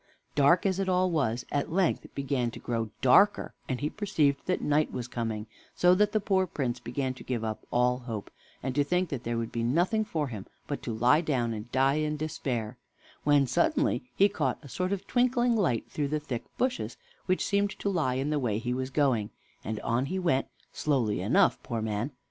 Dark as it all was, it at length began to grow darker, and he perceived that night was coming, so that the poor Prince began to give up all hope, and to think that there would be nothing for him but to lie down and die in despair, when suddenly he caught a sort of twinkling light through the thick bushes, which seemed to lie in the way he was going, and on he went, slowly enough, poor man!